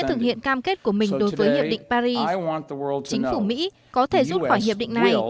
thực hiện cam kết của mình đối với hiệp định paris chính phủ mỹ có thể rút khỏi hiệp định này